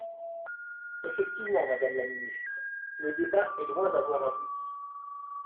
Effectivement, madame la ministre : le débat est loin d’avoir abouti.